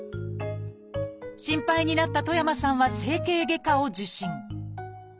心配になった戸山さんは整形外科を受診。